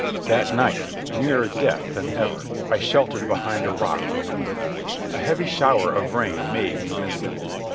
That night, nearer death than ever, I sheltered behind a rock from the wind. A heavy shower of rain made me miserable.